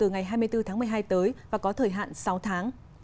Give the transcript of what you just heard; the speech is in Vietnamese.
ngày hai mươi bốn tháng một mươi hai tới và có thời hạn sáu tháng